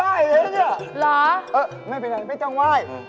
อ้าว